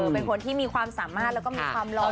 เป็นคนที่มีความสามารถและมีความหลอด